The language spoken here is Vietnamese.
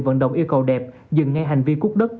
vận động yêu cầu đẹp dừng ngay hành vi cúc đất